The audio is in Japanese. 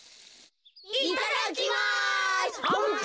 いただきます。